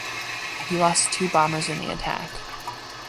He lost two bombers in the attack.